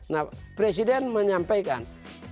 nah presiden menyampaikan